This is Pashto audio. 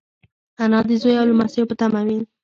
انا د زوی او لمسيو په تمه وي